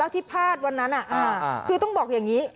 ที่พลาดวันนั้นคือต้องบอกอย่างนี้